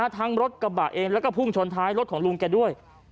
ทั้งรถกระบะเองแล้วก็พุ่งชนท้ายรถของลุงแกด้วย